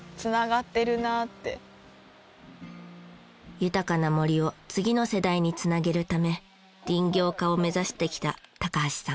豊かな森を次の世代に繋げるため林業家を目指してきた高橋さん。